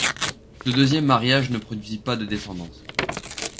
Ce deuxième mariage ne produisit pas de descendance.